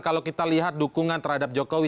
kalau kita lihat dukungan terhadap jokowi